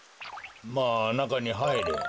まあなかにはいれ。